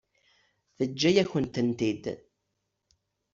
Teǧǧa-yakent-tent-id?